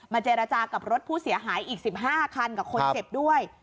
เจรจากับรถผู้เสียหายอีก๑๕คันกับคนเจ็บด้วย